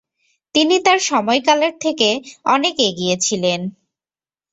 তিনি তার সময়কালের থেকে অনেক এগিয়ে ছিলেন।